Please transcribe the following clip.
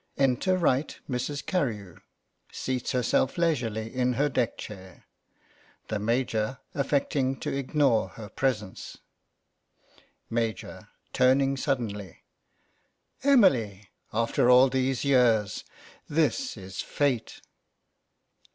(Enter R. Mrs. Carewe, seats herself leisurely in her deck chair, the Major affect ing to ignore her presence.) Major (turning suddenly) : Emily ! After all these years ! This is fate